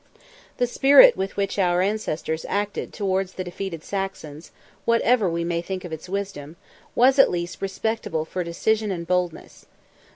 The spirit with which our ancestors acted towards the defeated Saxons, whatever we may think of its wisdom, was, at least, respectable for decision and boldness.